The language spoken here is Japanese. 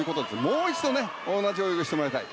もう一度同じ泳ぎをしてもらいたい。